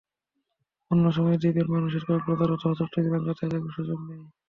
অন্য সময় দ্বীপের মানুষের কক্সবাজার অথবা চট্টগ্রাম যাতায়াতের কোনো সুযোগ নেই।